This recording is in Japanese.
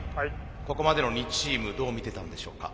ここまでの２チームどう見てたんでしょうか？